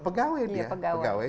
pegawai dia pegawai